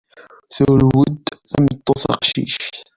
Turew-d tmeṭṭut aqcic.